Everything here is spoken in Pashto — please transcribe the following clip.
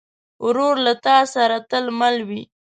ورور له تا سره تل مل وي.